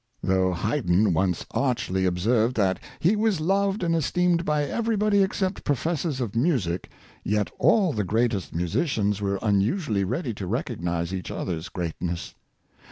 Though Haydn once archly observed that he was loved and esteemed by everybody except professors of music, yet all the greatest musicians were unusually ready to recognize each other's greatness.